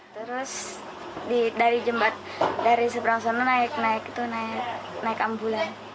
terus dari jembatan dari seberang sana naik naik ambulan